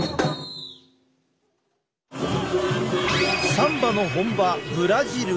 サンバの本場ブラジル！